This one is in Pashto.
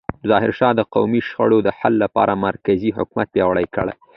ظاهرشاه د قومي شخړو د حل لپاره مرکزي حکومت پیاوړی کړ.